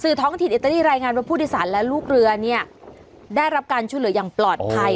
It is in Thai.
ท้องถิ่นอิตาลีรายงานว่าผู้โดยสารและลูกเรือเนี่ยได้รับการช่วยเหลืออย่างปลอดภัย